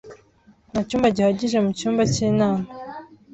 Nta cyumba gihagije mu cyumba cy'inama.